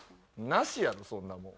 なしやろそんなもん。